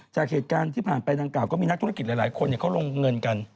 จากเหตุการณ์ที่ผ่านไปดังกล่าก็มีนักธุรกิจหลายคนเขาลงเงินกัน